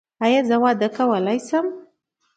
ایا زه واده کولی شم؟